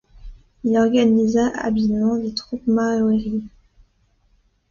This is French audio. Il organisa habilement des troupes maories.